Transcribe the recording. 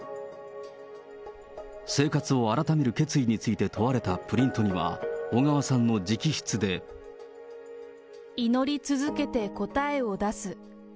生活を改める決意について問われたプリントには、小川さんの直筆祈り続けて答えを出す。